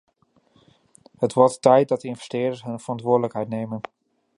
Het wordt tijd dat investeerders hun verantwoordelijkheid nemen.